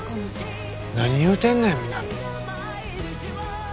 何言うてんねんみなみ。